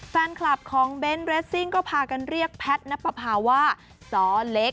แฟนคลับของเบนท์เรสซิ่งก็พากันเรียกแพทย์นับประพาว่าซ้อเล็ก